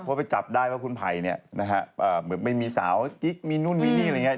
เพราะไปจับได้ว่าคุณภัยเนี่ยเหมือนไม่มีสาวมีนู่นมีนี่อะไรอย่างเงี้ย